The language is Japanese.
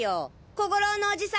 小五郎のおじさんが。